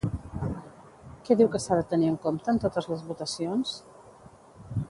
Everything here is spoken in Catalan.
Què diu que s'ha de tenir en compte en totes les votacions?